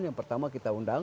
yang pertama kita undang